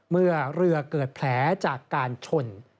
เมื่อเรือเกิดแผลจากการชน